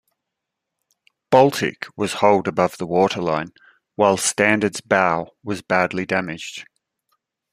"Baltic" was holed above the waterline while "Standard"s bow was badly damaged.